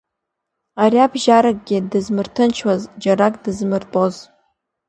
Ариабжьаракгьы дызмырҭынчуаз, џьарак дызмыр-тәоз.